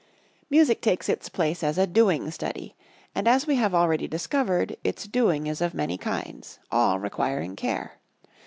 Music takes its place as a doing study; and as we have already discovered, its doing is of many kinds, all requiring care.